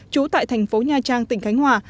trú tại thành phố nha trang tỉnh khánh hòa